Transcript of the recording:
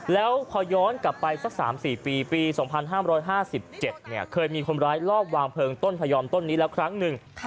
แล้วพอย้อนกลับไปสัก๓๔ปีปี๒๕๕๗เคยมีคนร้ายรอบวางเพลิงต้นพยอมต้นนี้แล้วครั้งหนึ่ง